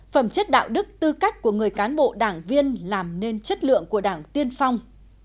phẩm chất đạo đức tư cách của người cán bộ đảng viên làm nên chất lượng của đảng tiên phong